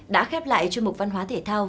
đã khép lại chương mục văn hóa thể thao